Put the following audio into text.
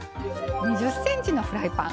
２０ｃｍのフライパン